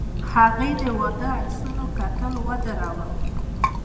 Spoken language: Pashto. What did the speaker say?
هغې د واده د عکسونو کتل ودرول.